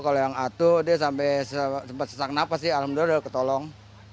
kalau yang atu dia sampai sempat sesak nafas sih alhamdulillah udah ketolong